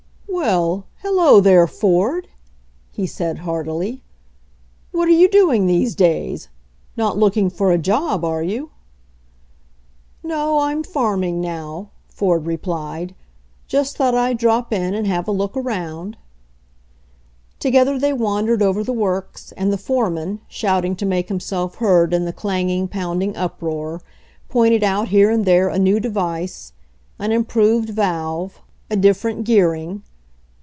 "Well, hello there, Ford!" he said heartily. "What're you doing these days? Not looking for a job, are you?" "No, I'm farming now," Ford replied. "Just thought I'd drop in and have a look around/' Together they wandered over the works, and the foreman, shouting to make himself heard in the clanging, pounding uproar, pointed out here and there a new device, an improved valve, a 54 HENRY FORD'S OWN STORY different gearing.